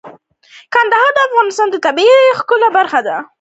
کندهار د افغانستان د طبیعت د ښکلا برخه ده.